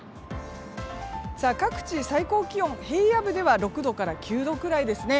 各地、最高気温、平野部では６度から９度くらいですね。